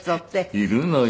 いるのよ